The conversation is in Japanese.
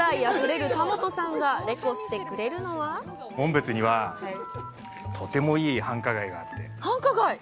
紋別愛あふれる田元さんがレコしてくれるのは紋別にはとてもいい繁華街があって。